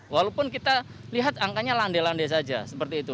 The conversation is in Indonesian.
walaupun kita lihat angkanya landai landai saja seperti itu